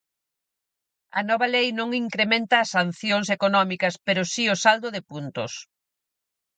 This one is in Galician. A nova lei non incrementa as sancións económicas pero si o saldo de puntos.